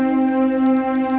kenapa bapak gak datang